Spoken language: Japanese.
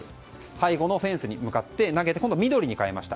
背後のフェンスに向かって投げて今度は緑に変えました。